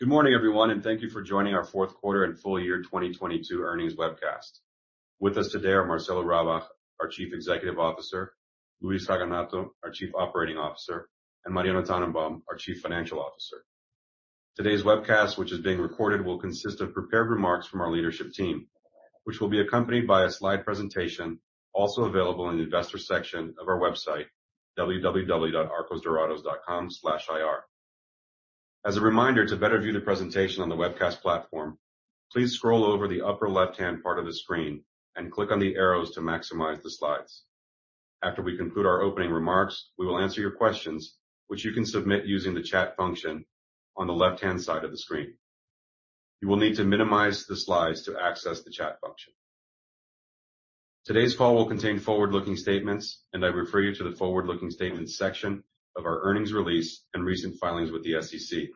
Good morning, everyone, and thank you for joining our fourth quarter and full year 2022 earnings webcast. With us today are Marcelo Rabach, our Chief Executive Officer, Luis Raganato, our Chief Operating Officer, and Mariano Tannenbaum, our Chief Financial Officer. Today's webcast, which has being recorded, will consist of prepared remarks from our leadership team, which will be accompanied by a slide presentation, also available in the investor section of our website www.arcosdorados.com/ir. As a reminder, to better view the presentation on the webcast platform, please scroll over the upper left-hand part of the screen and click on the arrows to maximize the slides. After we conclude our opening remarks, we will answer your questions, which you can submit using the chat function on the left-hand side of the screen. You will need to minimize the slides to access the chat function. Today's call will contain forward-looking statements. I refer you to the forward-looking statements section of our earnings release and recent filings with the SEC.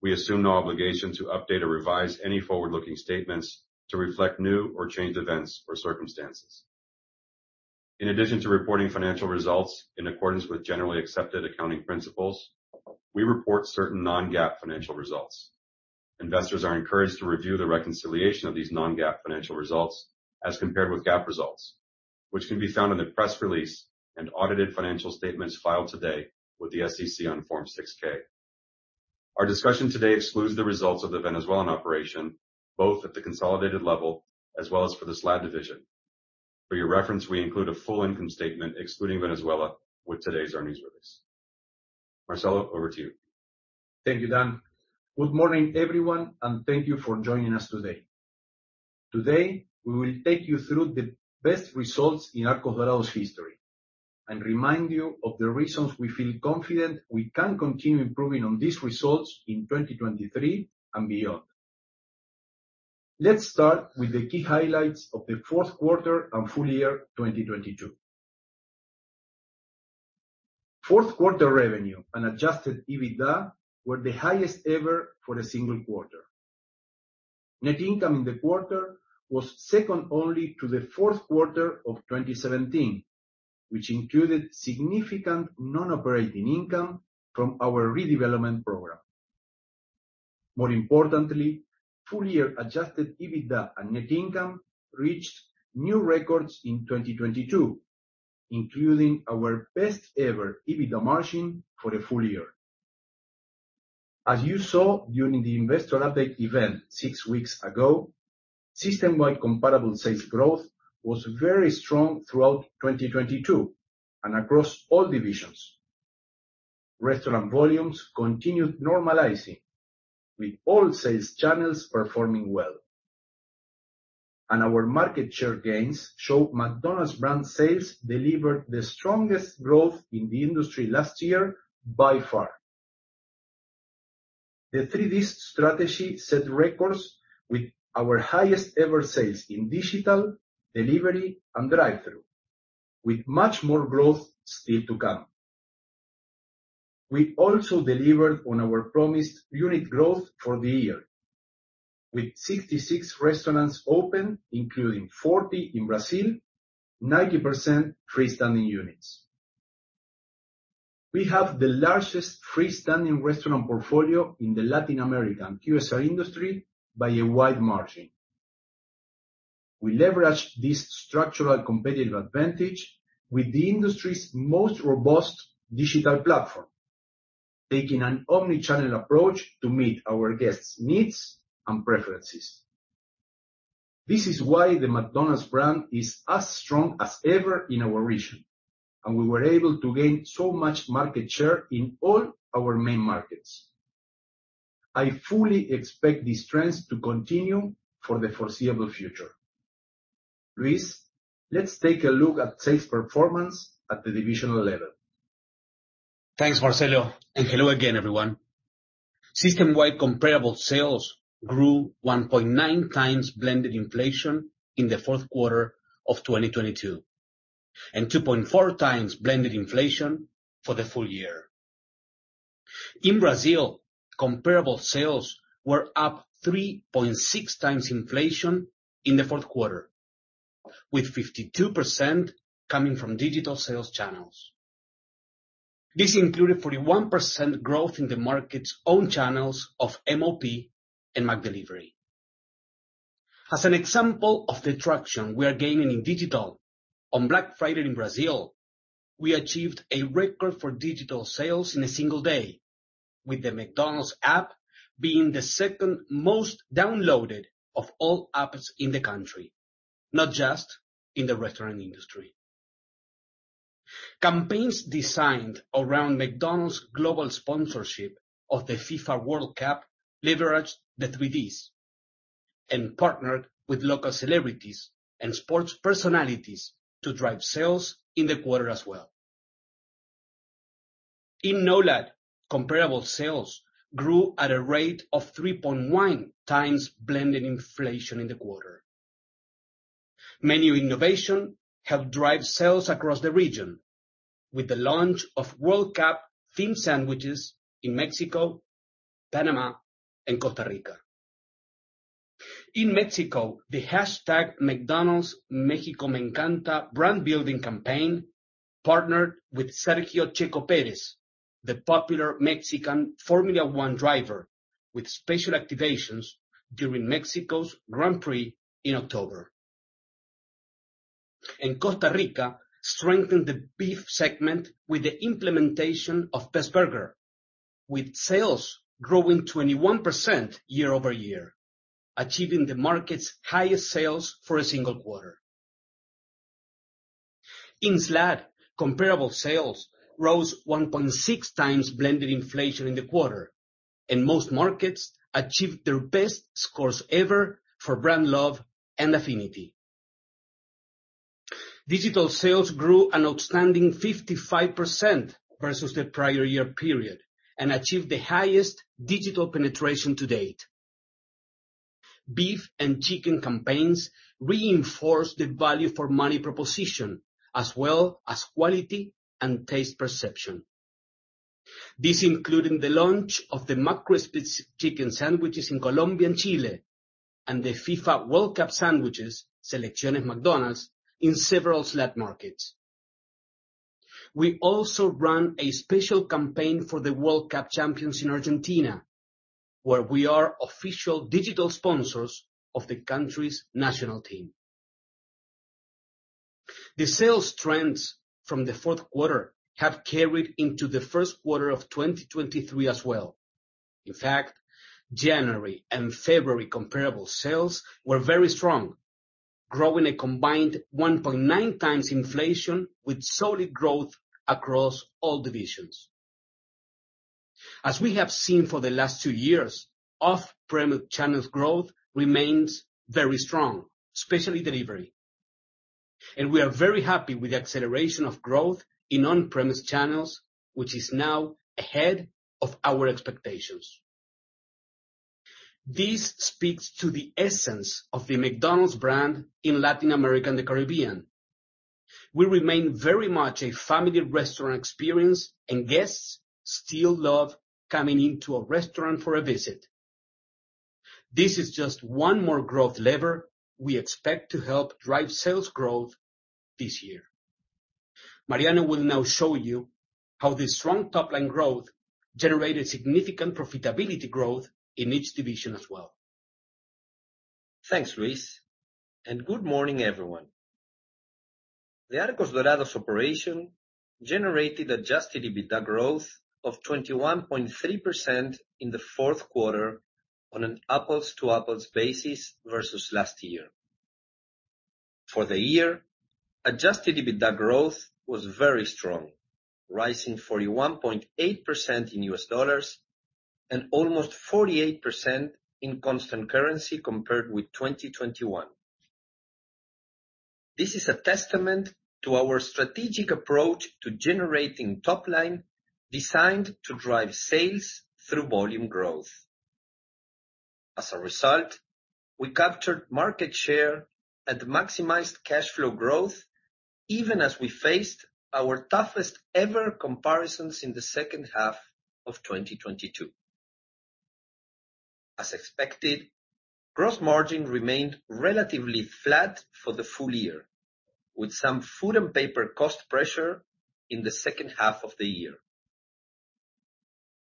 We assume no obligation to update or revise any forward-looking statements to reflect new or changed events or circumstances. In addition to reporting financial results in accordance with generally accepted accounting principles, we report certain non-GAAP financial results. Investors are encouraged to review the reconciliation of these non-GAAP financial results as compared with GAAP results, which can be found in the press release and audited financial statements filed today with the SEC on Form 6-K. Our discussion today excludes the results of the Venezuelan operation, both at the consolidated level as well as for the SLAD division. For your reference, we include a full income statement excluding Venezuela with today's earnings release. Marcelo, over to you. Thank you, Dan. Good morning, everyone, and thank you for joining us today. Today, we will take you through the best results in Arcos Dorados history and remind you of the reasons we feel confident we can continue improving on these results in 2023 and beyond. Let's start with the key highlights of the fourth quarter and full year 2022. Fourth quarter revenue and Adjusted EBITDA were the highest ever for a single quarter. Net income in the quarter was second only to the fourth quarter of 2017, which included significant non-operating income from our redevelopment program. More importantly, full year Adjusted EBITDA and net income reached new records in 2022, including our best ever EBITDA margin for the full year. As you saw during the investor update event six weeks ago, system-wide comparable sales growth was very strong throughout 2022 and across all divisions. Restaurant volumes continued normalizing with all sales channels performing well. Our market share gains show McDonald's brand sales delivered the strongest growth in the industry last year by far. The 3D strategy set records with our highest ever sales in Digital, Delivery, and Drive-thru, with much more growth still to come. We also delivered on our promised unit growth for the year with 66 restaurants open, including 40 in Brazil, 90% freestanding units. We have the largest freestanding restaurant portfolio in the Latin American QSR industry by a wide margin. We leverage this structural competitive advantage with the industry's most robust digital platform, taking an omni-channel approach to meet our guests' needs and preferences. This is why the McDonald's brand is as strong as ever in our region, and we were able to gain so much market share in all our main markets. I fully expect these trends to continue for the foreseeable future. Luis, let's take a look at sales performance at the divisional level. Thanks, Marcelo, and hello again, everyone. System-wide comparable sales grew 1.9x blended inflation in the fourth quarter of 2022, and 2.4x blended inflation for the full year. In Brazil, comparable sales were up 3.6x inflation in the fourth quarter, with 52% coming from digital sales channels. This included 41% growth in the market's own channels of MoP and McDelivery. As an example of the traction we are gaining in digital, on Black Friday in Brazil, we achieved a record for digital sales in a single day, with the McDonald's app being the second most downloaded of all apps in the country, not just in the restaurant industry. Campaigns designed around McDonald's global sponsorship of the FIFA World Cup leveraged the 3Ds and partnered with local celebrities and sports personalities to drive sales in the quarter as well. In NOLAD, comparable sales grew at a rate of 3.1x blended inflation in the quarter. Menu innovation helped drive sales across the region with the launch of World Cup themed sandwiches in Mexico, Panama, and Costa Rica. In Mexico, the hashtag McDonald's México me encanta brand-building campaign partnered with Sergio "Checo" Pérez, the popular Mexican Formula 1 driver, with special activations during Mexico's Grand Prix in October. In Costa Rica, strengthened the beef segment with the implementation of Best Burger, with sales growing 21% year-over-year, achieving the market's highest sales for a single quarter. In SLAD, comparable sales rose 1.6x blended inflation in the quarter, and most markets achieved their best scores ever for brand love and affinity. Digital sales grew an outstanding 55% versus the prior year period and achieved the highest digital penetration to date. Beef and chicken campaigns reinforced the value for money proposition as well as quality and taste perception. These including the launch of the McCrispy chicken sandwiches in Colombia and Chile and the FIFA World Cup sandwiches, Selecciones McDonald's, in several select markets. We also ran a special campaign for the World Cup champions in Argentina, where we are official digital sponsors of the country's national team. The sales trends from the fourth quarter have carried into the first quarter of 2023 as well. In fact, January and February comparable sales were very strong, growing a combined 1.9x inflation with solid growth across all divisions. As we have seen for the last two years, off-premise channels growth remains very strong, especially delivery. We are very happy with the acceleration of growth in on-premise channels, which is now ahead of our expectations. This speaks to the essence of the McDonald's brand in Latin America and the Caribbean. We remain very much a family restaurant experience, and guests still love coming into a restaurant for a visit. This is just one more growth lever we expect to help drive sales growth this year. Mariano will now show you how this strong top-line growth generated significant profitability growth in each division as well. Thanks, Luis. Good morning, everyone. The Arcos Dorados operation generated Adjusted EBITDA growth of 21.3% in the fourth quarter on an apples to apples basis versus last year. For the year, Adjusted EBITDA growth was very strong, rising 41.8% in U.S. dollars and almost 48% in constant currency compared with 2021. This is a testament to our strategic approach to generating top line designed to drive sales through volume growth. As a result, we captured market share and maximized cash flow growth even as we faced our toughest ever comparisons in the second half of 2022. As expected, gross margin remained relatively flat for the full year, with some food and paper cost pressure in the second half of the year.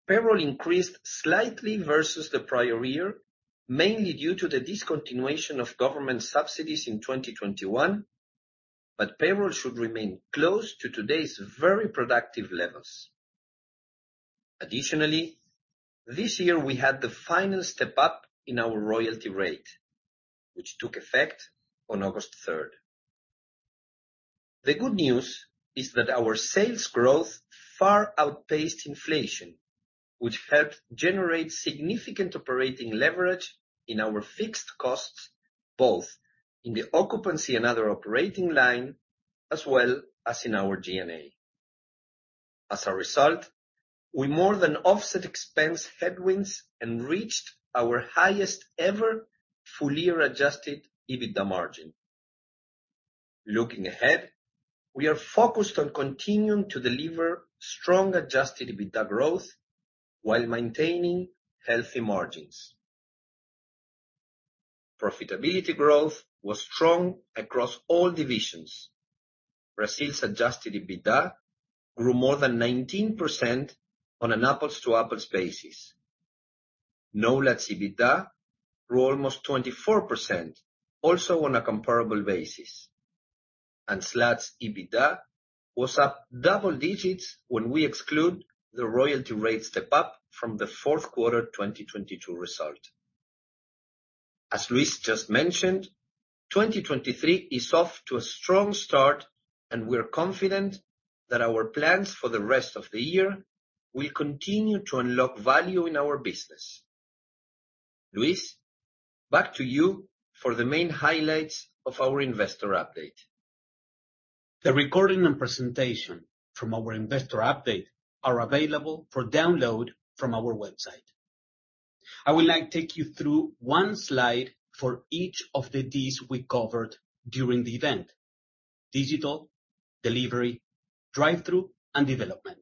Payroll increased slightly versus the prior year, mainly due to the discontinuation of government subsidies in 2021, but payroll should remain close to today's very productive levels. Additionally, this year we had the final step up in our royalty rate, which took effect on August 3rd. The good news is that our sales growth far outpaced inflation, which helped generate significant operating leverage in our fixed costs, both in the occupancy and other operating line as well as in our G&A. As a result, we more than offset expense headwinds and reached our highest ever full year Adjusted EBITDA margin. Looking ahead, we are focused on continuing to deliver strong Adjusted EBITDA growth while maintaining healthy margins. Profitability growth was strong across all divisions. Brazil's Adjusted EBITDA grew more than 19% on an apples-to-apples basis. NOLAD EBITDA grew almost 24%, also on a comparable basis. SLAD's EBITDA was up double digits when we exclude the royalty rate step up from the fourth quarter 2022 result. As Luis just mentioned, 2023 is off to a strong start, and we're confident that our plans for the rest of the year will continue to unlock value in our business. Luis, back to you for the main highlights of our investor update. The recording and presentation from our investor update are available for download from our website. I would like to take you through one slide for each of the Ds we covered during the event: Digital, Delivery, Drive-thru, and Development.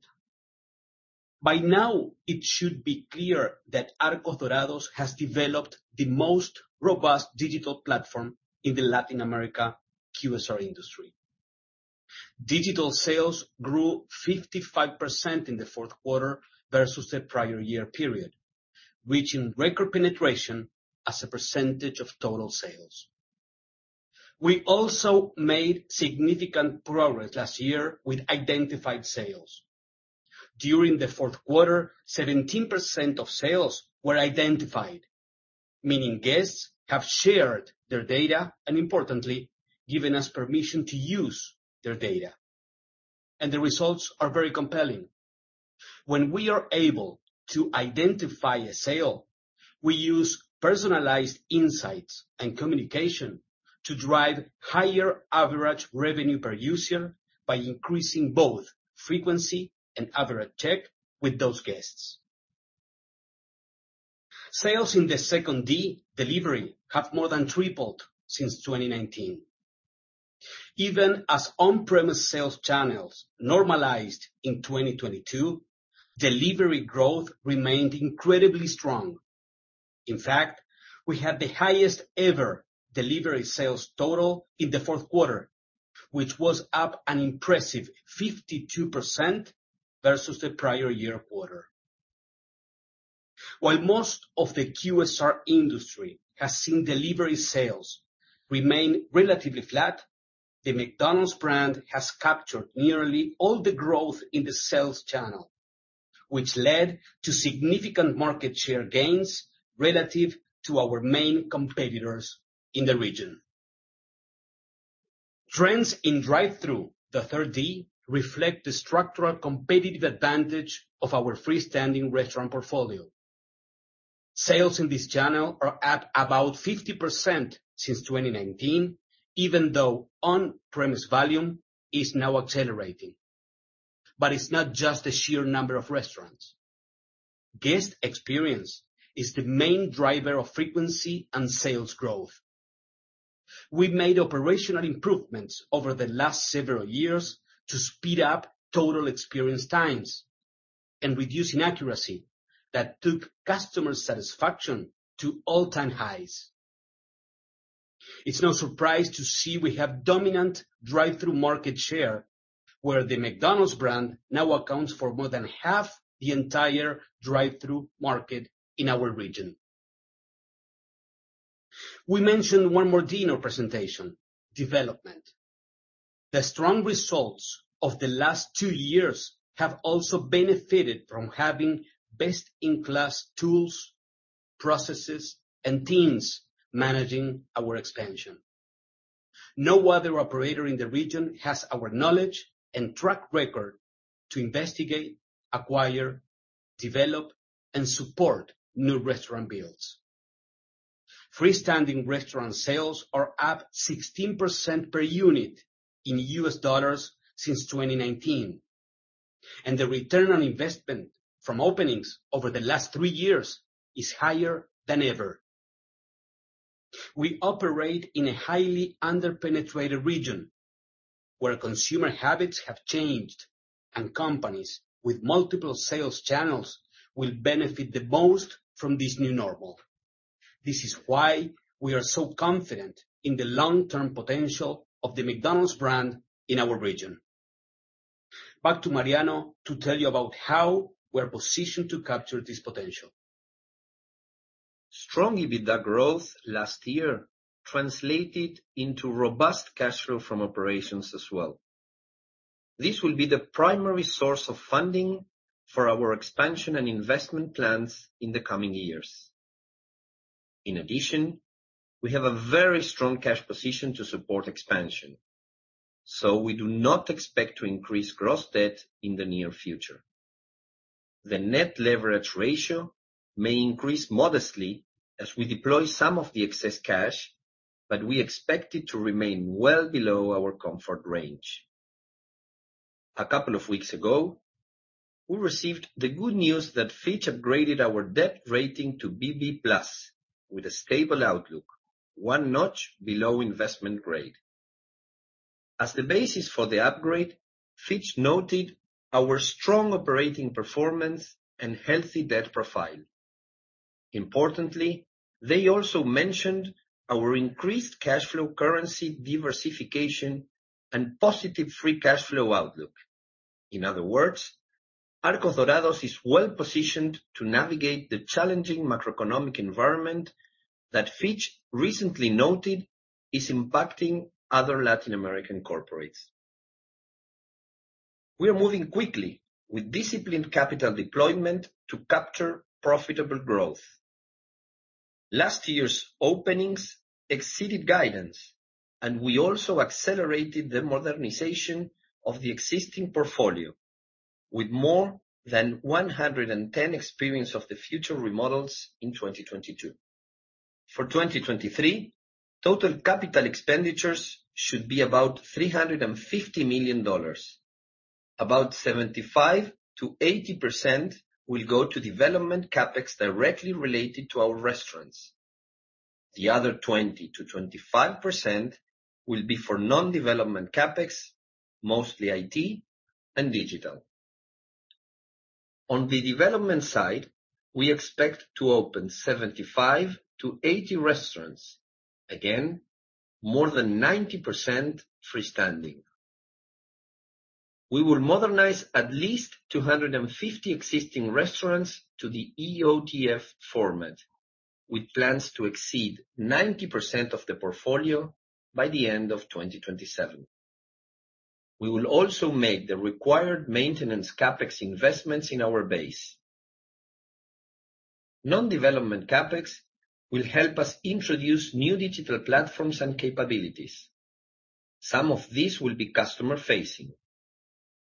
By now, it should be clear that Arcos Dorados has developed the most robust digital platform in the Latin America QSR industry. Digital sales grew 55% in the fourth quarter versus the prior year period, reaching record penetration as a percentage of total sales. We also made significant progress last year with identified sales. During the fourth quarter, 17% of sales were identified, meaning guests have shared their data and importantly, given us permission to use their data. The results are very compelling. When we are able to identify a sale, we use personalized insights and communication to drive higher average revenue per user by increasing both frequency and average check with those guests. Sales in the second D, Delivery, have more than tripled since 2019. Even as on-premise sales channels normalized in 2022, delivery growth remained incredibly strong. In fact, we had the highest ever delivery sales total in the fourth quarter, which was up an impressive 52% versus the prior year quarter. While most of the QSR industry has seen delivery sales remain relatively flat, the McDonald's brand has captured nearly all the growth in the sales channel, which led to significant market share gains relative to our main competitors in the region. Trends in Drive-thru, the third D, reflect the structural competitive advantage of our freestanding restaurant portfolio. Sales in this channel are up about 50% since 2019, even though on-premise volume is now accelerating. It's not just the sheer number of restaurants. Guest experience is the main driver of frequency and sales growth. We've made operational improvements over the last several years to speed up total experience times and reduce inaccuracy that took customer satisfaction to all-time highs. It's no surprise to see we have dominant Drive-thru market share, where the McDonald's brand now accounts for more than half the entire Drive-thru market in our region. We mentioned one more D in our presentation, Development. The strong results of the last two years have also benefited from having best-in-class tools, processes, and teams managing our expansion. No other operator in the region has our knowledge and track record to investigate, acquire, develop, and support new restaurant builds. Freestanding restaurant sales are up 16% per unit in U.S. dollars since 2019. The ROI from openings over the last three years is higher than ever. We operate in a highly under-penetrated region where consumer habits have changed and companies with multiple sales channels will benefit the most from this new normal. This is why we are so confident in the long-term potential of the McDonald's brand in our region. Back to Mariano to tell you about how we're positioned to capture this potential. Strong EBITDA growth last year translated into robust cash flow from operations as well. This will be the primary source of funding for our expansion and investment plans in the coming years. In addition, we have a very strong cash position to support expansion, so we do not expect to increase gross debt in the near future. The net leverage ratio may increase modestly as we deploy some of the excess cash, but we expect it to remain well below our comfort range. A couple of weeks ago, we received the good news that Fitch upgraded our debt rating to BB+ with a stable outlook, one notch below investment grade. As the basis for the upgrade, Fitch noted our strong operating performance and healthy debt profile. Importantly, they also mentioned our increased cash flow currency diversification and positive free cash flow outlook. In other words, Arcos Dorados is well-positioned to navigate the challenging macroeconomic environment that Fitch recently noted is impacting other Latin American corporates. We are moving quickly with disciplined capital deployment to capture profitable growth. Last year's openings exceeded guidance, we also accelerated the modernization of the existing portfolio with more than 110 Experience of the Future remodels in 2022. For 2023, total capital expenditures should be about $350 million. About 75%-80% will go to development CapEx directly related to our restaurants. The other 20%-25% will be for non-development CapEx, mostly IT and digital. On the development side, we expect to open 75-80 restaurants. Again, more than 90% freestanding. We will modernize at least 250 existing restaurants to the EOTF format, with plans to exceed 90% of the portfolio by the end of 2027. We will also make the required maintenance CapEx investments in our base. Non-development CapEx will help us introduce new digital platforms and capabilities. Some of these will be customer-facing.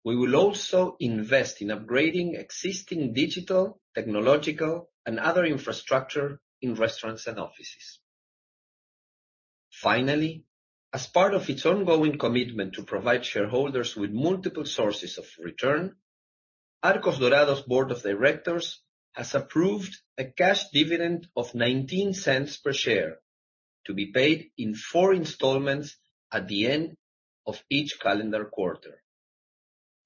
We will also invest in upgrading existing digital, technological, and other infrastructure in restaurants and offices. Finally, as part of its ongoing commitment to provide shareholders with multiple sources of return, Arcos Dorados' board of directors has approved a cash dividend of $0.19 per share to be paid in four installments at the end of each calendar quarter.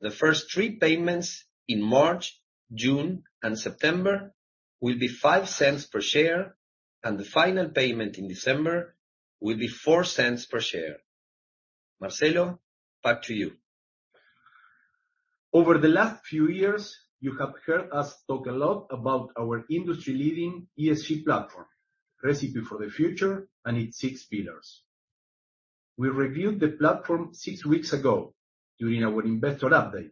The first three payments in March, June, and September will be $0.05 per share, and the final payment in December will be $0.04 per share. Marcelo, back to you. Over the last few years, you have heard us talk a lot about our industry-leading ESG platform, Recipe for the Future, and its six pillars. We reviewed the platform six weeks ago during our investor update.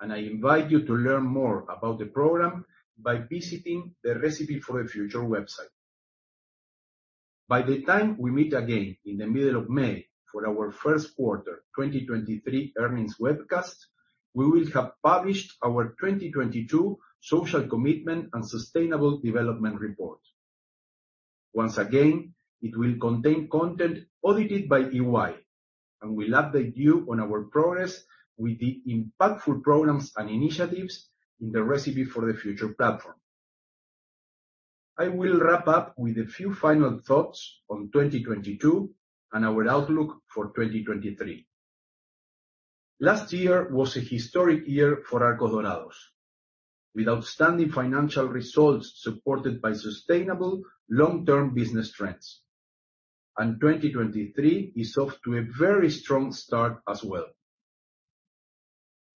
I invite you to learn more about the program by visiting the Recipe for the Future website. By the time we meet again in the middle of May for our first quarter 2023 earnings webcast, we will have published our 2022 social commitment and sustainable development report. Once again, it will contain content audited by EY. We'll update you on our progress with the impactful programs and initiatives in the Recipe for the Future platform. I will wrap up with a few final thoughts on 2022 and our outlook for 2023. Last year was a historic year for Arcos Dorados, with outstanding financial results supported by sustainable long-term business trends. 2023 is off to a very strong start as well.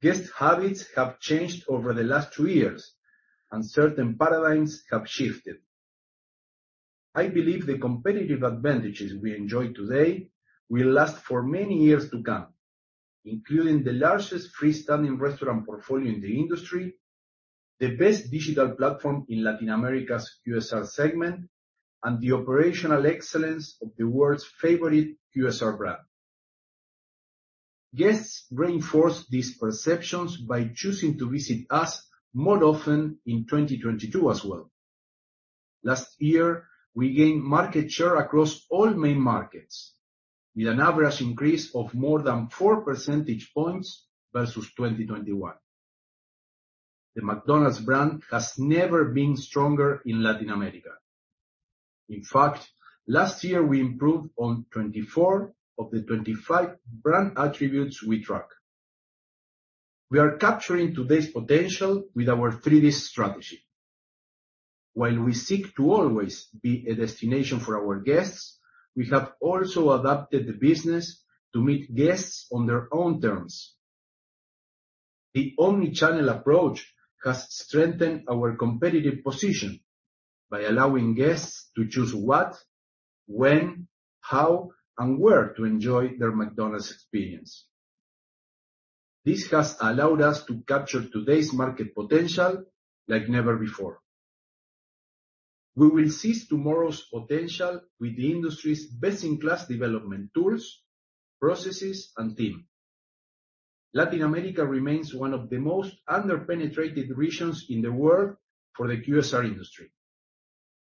Guest habits have changed over the last two years, and certain paradigms have shifted. I believe the competitive advantages we enjoy today will last for many years to come, including the largest freestanding restaurant portfolio in the industry, the best digital platform in Latin America's QSR segment, and the operational excellence of the world's favorite QSR brand. Guests reinforced these perceptions by choosing to visit us more often in 2022 as well. Last year, we gained market share across all main markets, with an average increase of more than 4 percentage points versus 2021. The McDonald's brand has never been stronger in Latin America. In fact, last year we improved on 24 of the 25 brand attributes we track. We are capturing today's potential with our 3D strategy. While we seek to always be a destination for our guests, we have also adapted the business to meet guests on their own terms. The omnichannel approach has strengthened our competitive position by allowing guests to choose what, when, how, and where to enjoy their McDonald's experience. This has allowed us to capture today's market potential like never before. We will seize tomorrow's potential with the industry's best-in-class development tools, processes, and team. Latin America remains one of the most under-penetrated regions in the world for the QSR industry,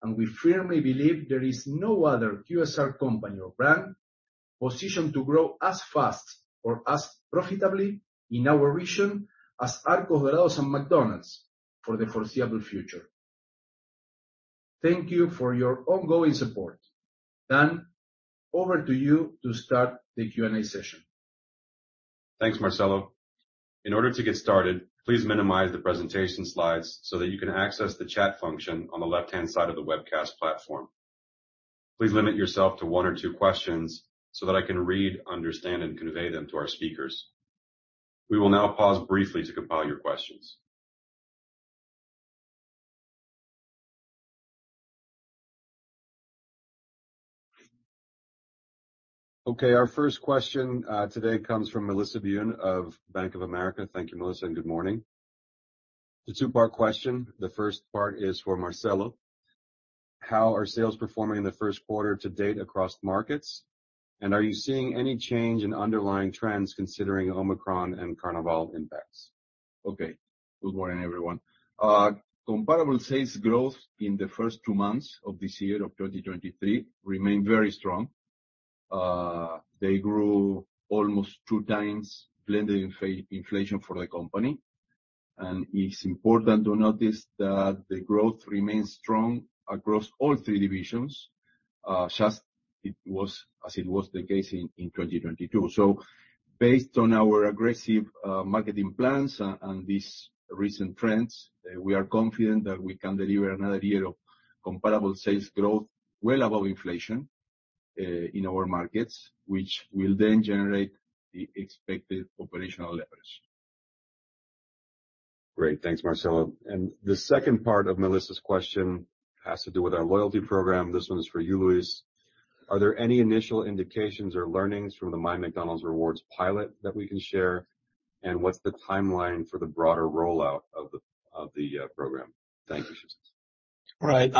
and we firmly believe there is no other QSR company or brand positioned to grow as fast or as profitably in our region as Arcos Dorados and McDonald's for the foreseeable future. Thank you for your ongoing support. Dan, over to you to start the Q&A session. Thanks, Marcelo. In order to get started, please minimize the presentation slides so that you can access the chat function on the left-hand side of the webcast platform. Please limit yourself to one or two questions so that I can read, understand, and convey them to our speakers. We will now pause briefly to compile your questions. Our first question today comes from Melissa Byun of Bank of America. Thank you, Melissa, and good morning. It's a two-part question. The first part is for Marcelo. How are sales performing in the first quarter to date across markets? Are you seeing any change in underlying trends considering Omicron and Carnival impacts? Okay. Good morning, everyone. comparable sales growth in the first two months of this year, of 2023, remain very strong. They grew almost two times blending in inflation for the company. It's important to notice that the growth remains strong across all three divisions, just as it was the case in 2022. Based on our aggressive marketing plans and these recent trends, we are confident that we can deliver another year of comparable sales growth well above inflation in our markets, which will then generate the expected operational leverage. Great. Thanks, Marcelo. The second part of Melissa's question has to do with our loyalty program. This one's for you, Luis. Are there any initial indications or learnings from the MyMcDonald's Rewards pilot that we can share? What's the timeline for the broader rollout of the program? Thank you. All right.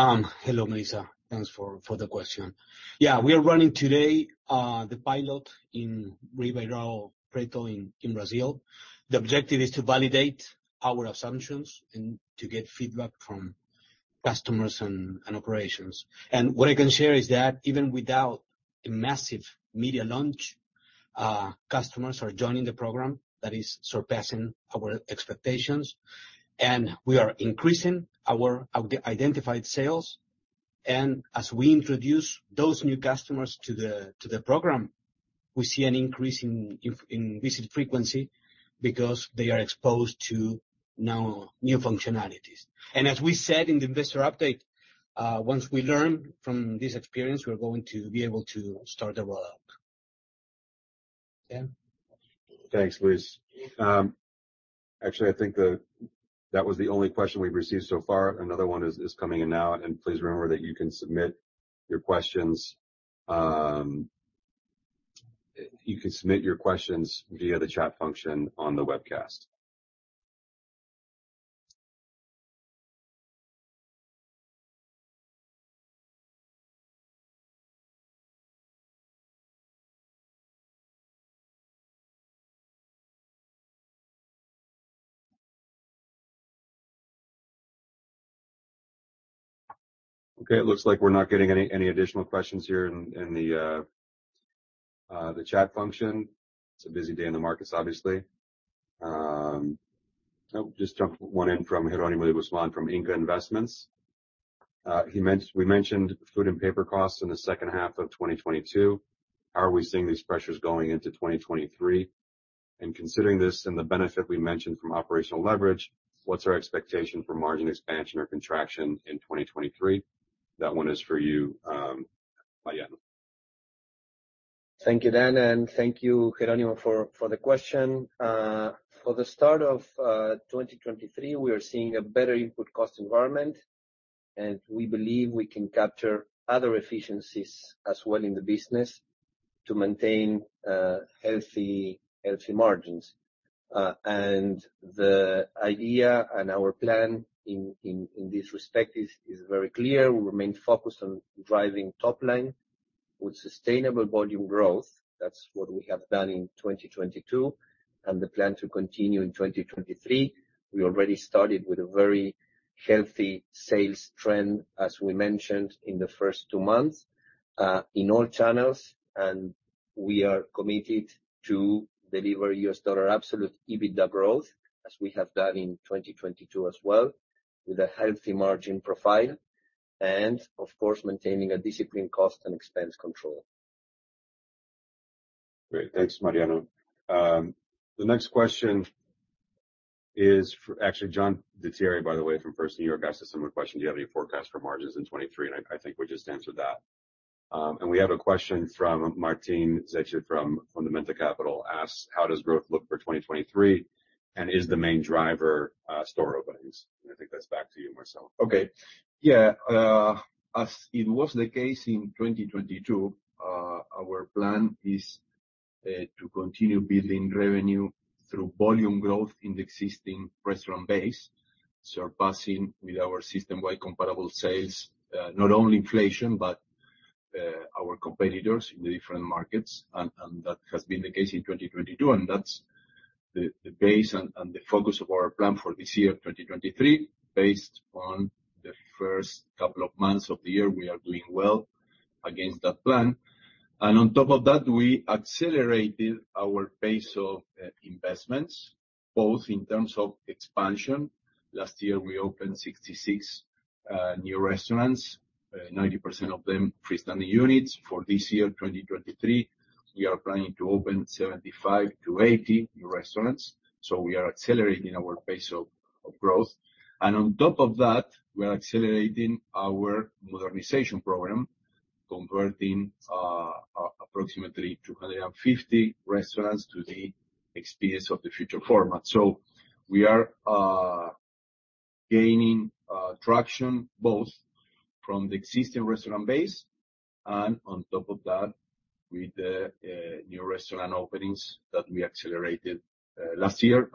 Hello, Melissa. Thanks for the question. Yeah. We are running today the pilot in Ribeirão Preto in Brazil. The objective is to validate our assumptions and to get feedback from customers and operations. What I can share is that even without a massive media launch, customers are joining the program. That is surpassing our expectations. We are increasing our identified sales. As we introduce those new customers to the program, we see an increase in visit frequency because they are exposed to now new functionalities. As we said in the investor update, once we learn from this experience, we're going to be able to start the rollout. Dan? Thanks, Luis. Actually, I think that was the only question we've received so far. Another one is coming in now. Please remember that you can submit your questions via the chat function on the webcast. Okay, it looks like we're not getting any additional questions here in the chat function. It's a busy day in the markets, obviously. Just jumped one in from Jeronimo Guzman from INCA Investments. We mentioned food and paper costs in the second half of 2022. How are we seeing these pressures going into 2023? Considering this and the benefit we mentioned from operational leverage, what's our expectation for margin expansion or contraction in 2023? That one is for you, Mariano. Thank you, Dan, and thank you, Jeronimo, for the question. For the start of 2023, we are seeing a better input cost environment, and we believe we can capture other efficiencies as well in the business to maintain healthy margins. The idea and our plan in this respect is very clear. We remain focused on driving top line with sustainable volume growth. That's what we have done in 2022, and the plan to continue in 2023. We already started with a very healthy sales trend, as we mentioned in the first two months in all channels, and we are committed to deliver U.S. dollar absolute EBITDA growth, as we have done in 2022 as well, with a healthy margin profile and of course, maintaining a disciplined cost and expense control. Great. Thanks, Mariano. The next question is Actually, John DiTieri, by the way, from First New York, asked a similar question. Do you have any forecast for margins in 2023? I think we just answered that. We have a question from Martin Secha from Fundamental Capital asks, how does growth look for 2023, and is the main driver store openings? I think that's back to you, Marcelo. Okay. Yeah. As it was the case in 2022, our plan is to continue building revenue through volume growth in the existing restaurant base, surpassing with our system-wide comparable sales, not only inflation, but our competitors in the different markets. That has been the case in 2022, and that's the base and the focus of our plan for this year, 2023. Based on the first couple of months of the year, we are doing well against that plan. On top of that, we accelerated our pace of investments, both in terms of expansion. Last year, we opened 66 new restaurants, 90% of them freestanding units. For this year, 2023, we are planning to open 75-80 new restaurants. We are accelerating our pace of growth. On top of that, we are accelerating our modernization program, converting approximately 250 restaurants to the Experience of the Future format. We are gaining traction both from the existing restaurant base and on top of that with the new restaurant openings that we accelerated last year.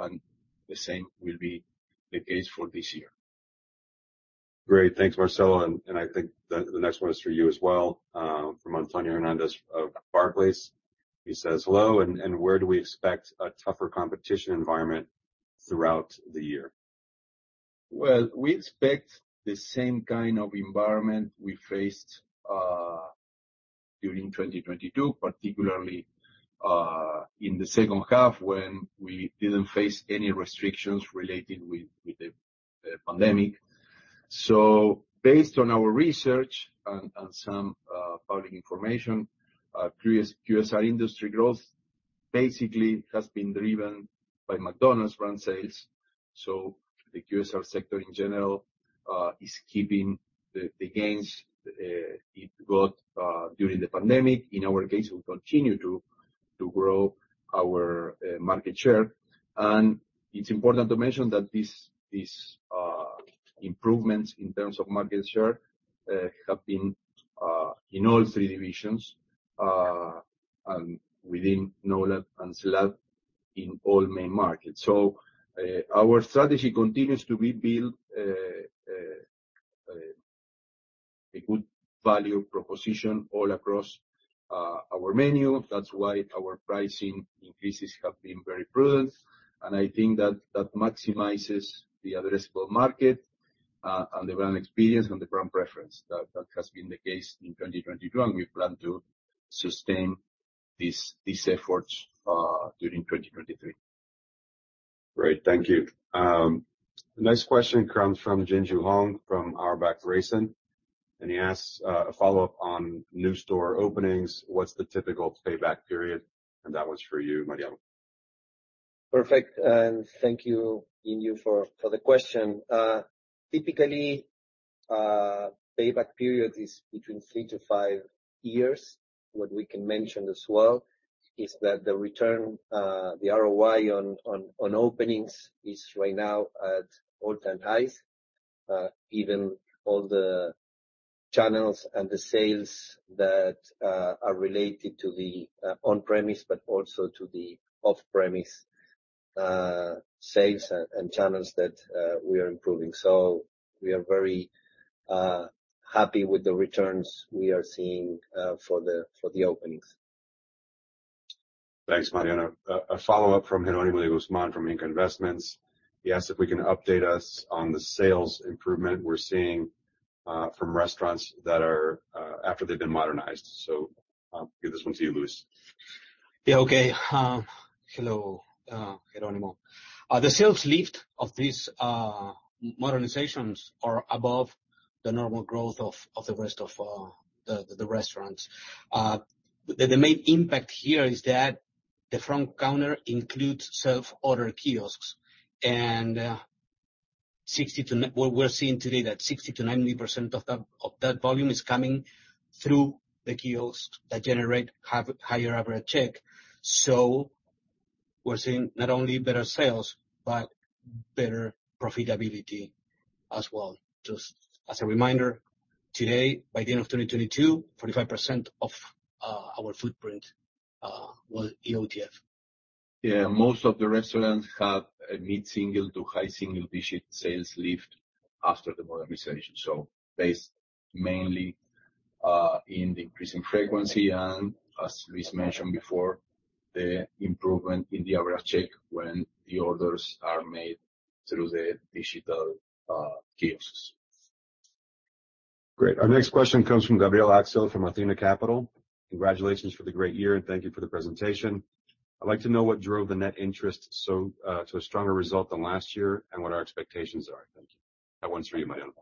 The same will be the case for this year. Great. Thanks, Marcelo. I think the next one is for you as well, from Antonio Hernandez of Barclays. He says hello. Where do we expect a tougher competition environment throughout the year? We expect the same kind of environment we faced during 2022, particularly in the second half, when we didn't face any restrictions related with the pandemic. Based on our research and some public information, QSR industry growth basically has been driven by McDonald's brand sales. The QSR sector in general is keeping the gains it got during the pandemic. In our case, we continue to grow our market share. It's important to mention that these improvements in terms of market share have been in all three divisions and within NOLAD and SLAD in all main markets. Our strategy continues to rebuild a good value proposition all across our menu. That's why our pricing increases have been very prudent, and I think that that maximizes the addressable market, and the brand experience and the brand preference. That has been the case in 2022, and we plan to sustain these efforts, during 2023. Great. Thank Thank you. Next question comes from Jinjoo Hong from Wedbush Securities, and he asks a follow-up on new store openings. What's the typical payback period? That one's for you, Mariano. Perfect, thank you, Jinjoo, for the question. Typically, payback period is between three to five years. What we can mention as well is that the return, the ROI on openings is right now at all-time highs, even all the channels and the sales that are related to the on-premise, but also to the off-premise sales and channels that we are improving. We are very happy with the returns we are seeing for the openings. Thanks, Mariano. A follow-up from Jeronimo Guzman from INCA Investments. He asks if we can update us on the sales improvement we're seeing from restaurants that are after they've been modernized. I'll give this one to you, Luis. Yeah, okay. Hello, Jeronimo. The sales lift of these modernizations are above the normal growth of the rest of the restaurants. The main impact here is that the front counter includes self-order kiosks. What we're seeing today that 60%-90% of that volume is coming through the kiosks that generate high-higher average check. We're seeing not only better sales, but better profitability as well. Just as a reminder, today, by the end of 2022, 45% of our footprint was EOTF. Yeah. Most of the restaurants have a mid-single to high single-digit sales lift after the modernization. Based mainly, in the increasing frequency, and as Luis mentioned before, the improvement in the average check when the orders are made through the digital kiosks. Great. Our next question comes from Gabriel Axel from Athena Capital. Congratulations for the great year. Thank you for the presentation. I'd like to know what drove the net interest so to a stronger result than last year. What our expectations are. Thank you. That one's for you, Mariano.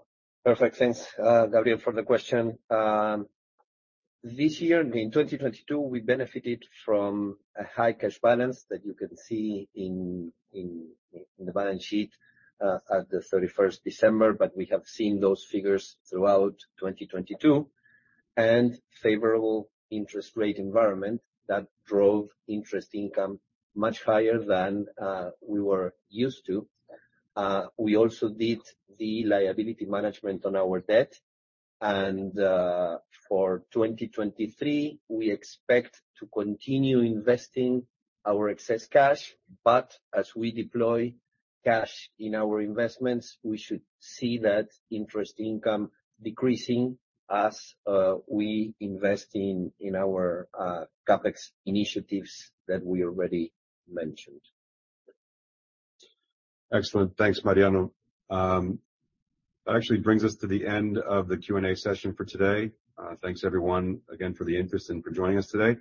Perfect. Thanks, Gabriel, for the question. This year, in 2022, we benefited from a high cash balance that you can see in the balance sheet, at the 31st December, but we have seen those figures throughout 2022, and favorable interest rate environment that drove interest income much higher than we were used to. We also did the liability management on our debt. For 2023, we expect to continue investing our excess cash, but as we deploy cash in our investments, we should see that interest income decreasing as we invest in our CapEx initiatives that we already mentioned. Excellent. Thanks, Mariano. That actually brings us to the end of the Q&A session for today. Thanks everyone again for the interest and for joining us today.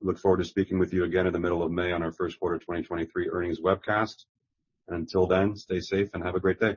Look forward to speaking with you again in the middle of May on our first quarter 2023 earnings webcast. Until then, stay safe and have a great day.